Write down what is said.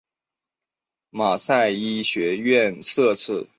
马赛医学院设此。